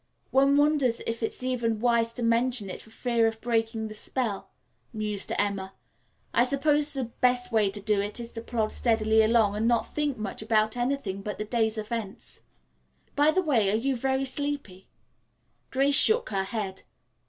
One wonders if it's even wise to mention it for fear of breaking the spell," mused Emma. "I suppose the best way to do is to plod steadily along and not think much about anything but the day's events. By the way, are you very sleepy?" Grace shook her head.